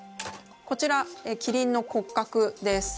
こちらキリンの骨格です。